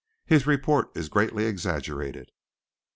His report is greatly exaggerated."